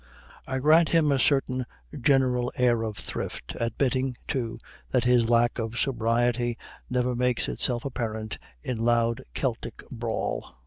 I grant him a certain general air of thrift, admitting, too, that his lack of sobriety never makes itself apparent in loud Celtic brawl.